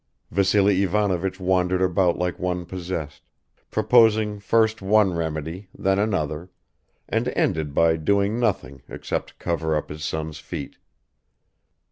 Vassily Ivanovich wandered about like one possessed, proposing first one remedy, then another, and ended by doing nothing except cover up his son's feet.